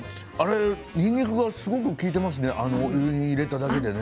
にんにくがすごく利いていますねお湯に入れただけでね。